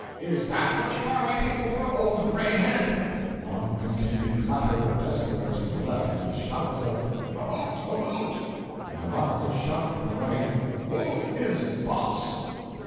Is that what you are waiting for, old Grayhead?' (Long continued clatter of desk boards from the Left, with shouts of 'The vote! the vote!' An ironical shout from the Right, 'Wolf is boss!')